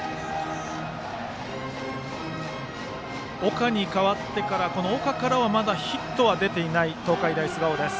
岡に代わってから岡からはまだヒットが出ていない東海大菅生です。